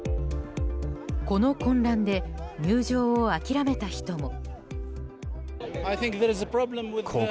この混乱で入場を諦めた人も。